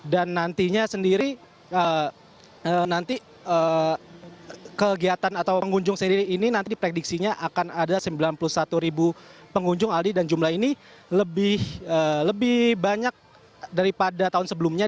dan nantinya sendiri nanti kegiatan atau pengunjung sendiri ini nanti diprediksinya akan ada sembilan puluh satu pengunjung aldi dan jumlah ini lebih banyak daripada tahun sebelumnya